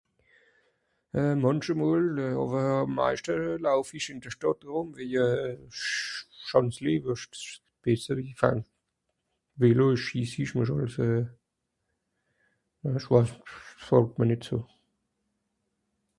euh manchemòl euh àwer àm maischte lauf'isch ìn de stàdt rùm wie isch hàn lieb .. bìssel... vélo esch ......sg'fàllt mr nìt so